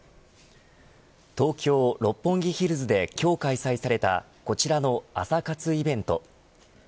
東京、六本木ヒルズで今日開催されたこちらの朝活イベント。